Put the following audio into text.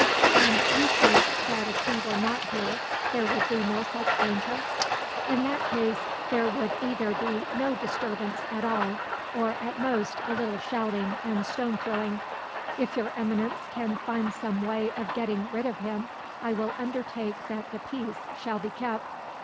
"And you think that if he were not here there would be no such danger?" "In that case, there would either be no disturbance at all, or at most a little shouting and stone throwing. If Your Eminence can find some way of getting rid of him, I will undertake that the peace shall be kept.